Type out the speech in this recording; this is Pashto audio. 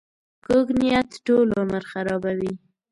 کوږ نیت ټول عمر خرابوي